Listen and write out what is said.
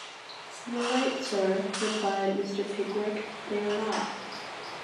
‘You are right, sir,’ replied Mr. Pickwick, ‘they are not'.